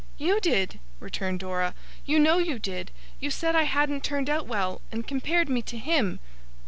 'You did,' returned Dora. 'You know you did. You said I hadn't turned out well, and compared me to him.